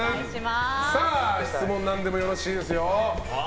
さあ、質問なんでもよろしいですよ。